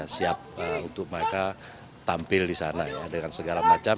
siap untuk mereka tampil di sana ya dengan segala macam